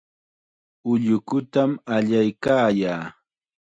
Ullukutam allaykaayaa.